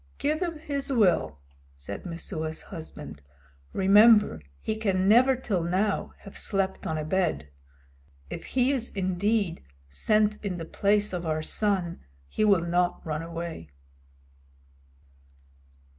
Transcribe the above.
"Give him his will," said Messua's husband. "Remember he can never till now have slept on a bed. If he is indeed sent in the place of our son he will not run away."